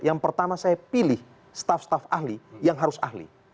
yang pertama saya pilih staff staf ahli yang harus ahli